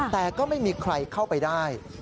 แต่ก็ไม่มีใครเข้าไปได้